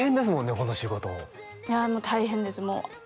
この仕事いやもう大変です